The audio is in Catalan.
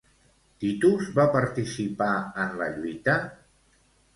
Titus va participar en la lluita?